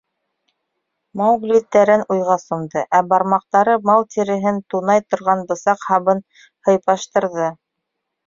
— Маугли тәрән уйға сумды, ә бармаҡтары мал тиреһен тунай торған бысаҡ һабын һыйпаштырҙы.